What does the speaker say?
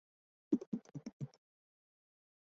弗朗赛人口变化图示